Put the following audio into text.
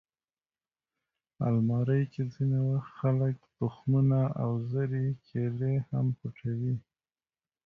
الماري کې ځینې وخت خلک تخمونه او زړې کیلې هم پټوي